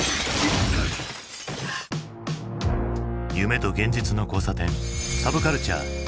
夢と現実の交差点サブカルチャー。